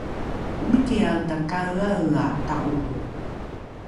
omikiae takaeaea ta’olro